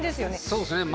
そうですね